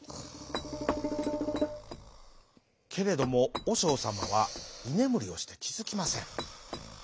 けれどもおしょうさまはいねむりをしてきづきません。